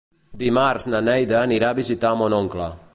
Dimarts na Neida anirà a visitar mon oncle.